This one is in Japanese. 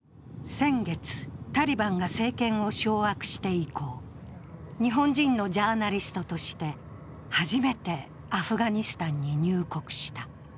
先月、タリバンが政権を掌握して以降、日本人のジャーナリストとして初めてアフガニスタンに入国した。